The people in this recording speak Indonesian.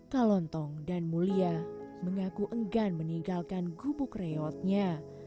kalontong dan mulia mengaku enggan meninggalkan gubuk reotnya